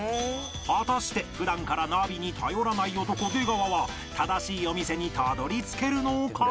果たして普段からナビに頼らない男出川は正しいお店にたどり着けるのか？